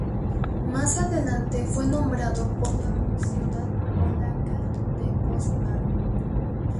Más adelante fue nombrado por la ciudad polaca de Poznan.